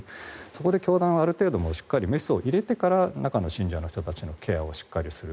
それで教団側がしっかりメスを入れてから中の信者の人たちのケアをしっかりする。